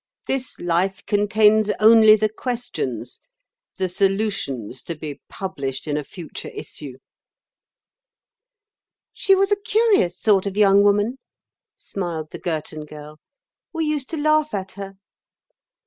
This life contains only the questions—the solutions to be published in a future issue." "She was a curious sort of young woman," smiled the Girton Girl; "we used to laugh at her."